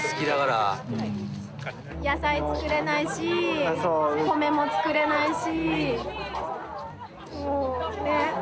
野菜作れないし米も作れないしもうねっ。